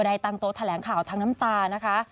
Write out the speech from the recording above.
ตั้งโต๊ะแถลงข่าวทั้งน้ำตานะคะ